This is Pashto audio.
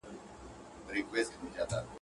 نه ادا سول د سرکار ظالم پورونه.